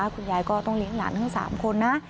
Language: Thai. คุณยายก็ต้องเลี้ยงหลานทั้ง๓คนนะ